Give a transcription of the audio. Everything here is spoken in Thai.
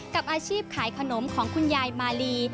กับอาชีพขายขนมของคุณยายมาลี